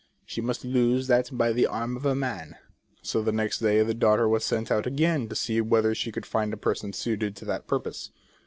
She must lose that by the arm of a man." So the next day the daughter was sent out again to see whether she could find a person suited to that purpose.